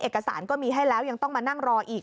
เอกสารก็มีให้แล้วยังต้องมานั่งรออีก